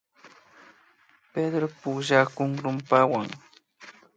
Pedro pukllakun rumpawan